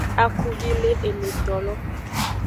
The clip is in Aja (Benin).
Akuvi le enetolo.